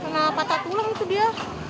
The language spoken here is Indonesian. karena patah tulang itu dia